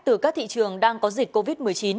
từ các thị trường đang có dịch covid một mươi chín